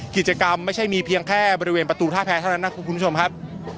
กิจกรรมไม่ใช่มีเพียงแค่บริเวณประตูท่าแพ้เท่านั้นนะคุณผู้ชมครับ